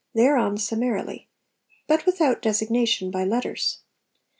thereon sum ry marily, but without designation by letters.